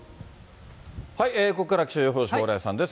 ここからは気象予報士、蓬莱さんです。